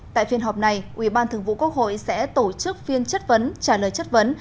tại phiên họp này ủy ban thường vụ quốc hội sẽ tổ chức phiên chất vấn trả lời chất vấn